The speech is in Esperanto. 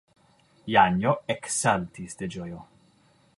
Janjo eksaltis de ĝojo.